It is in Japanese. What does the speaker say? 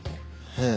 ええ。